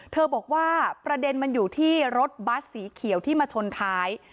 บอกว่าประเด็นมันอยู่ที่รถบัสสีเขียวที่มาชนท้าย